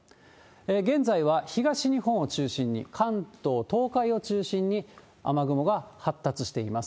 現在は東日本を中心に、関東、東海を中心に雨雲が発達しています。